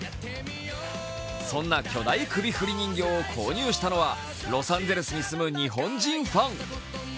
そんな巨大首振り人形を購入したのはロサンゼルスに住む日本人ファン。